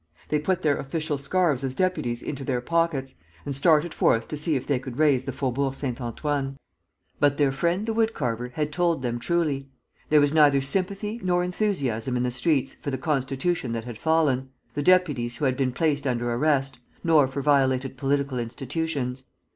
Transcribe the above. They put their official scarves as deputies into their pockets, and started forth to see if they could raise the Faubourg Saint Antoine. But their friend the wood carver had told them truly, there was neither sympathy nor enthusiasm in the streets for the constitution that had fallen, the deputies who had been placed under arrest, nor for violated political institutions.